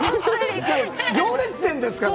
行列店ですから。